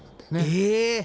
え！